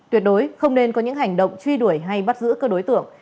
tuyệt đối không nên có những hành động truy đuổi hay bắt giữ các đối tượng